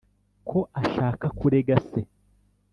ko ashaka kurega se